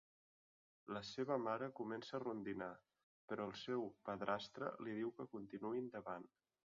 La seva mare comença a rondinar, però el seu padrastre li diu que continuï endavant.